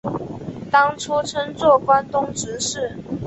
当初称作关东执事。